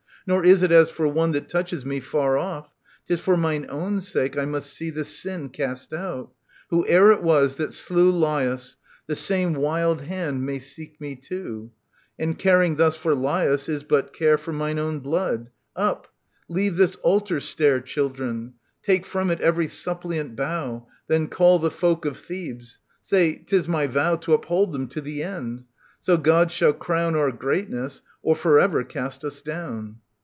Nor is it as for one that touches me Far off; *tis for mine own sake I must see This sin cast out. Whoe'er it was that slew Laius, the same wild hand may seek me too : And caring thus for Laius, is but care For mine own blood. — Up ! Leave this altar stair. Children. Take from it every suppliant bough. Then call the folk of Thebes. Say, 'tis my vow To uphold them to the end. ySo God shall crown Our greatness, or for ever cast us down.